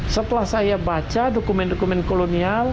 setelah saya baca dokumen dokumen kolonial